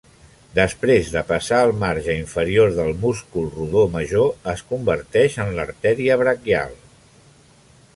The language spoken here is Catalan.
Després de passar el marge inferior del múscul rodó major es converteix en l'artèria braquial.